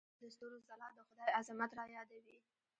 د ستورو ځلا د خدای عظمت رايادوي.